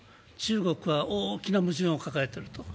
中国は大きな矛盾を抱えている。